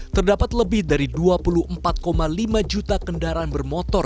terdapat lebih dari dua puluh empat lima juta kendaraan bermotor